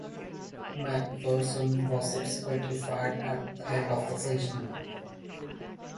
MacPherson was subsequently fired at the end of the season.